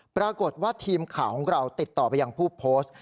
ปรากฏว่าทีมข่าวของเราติดต่อไปยังผู้โพสต์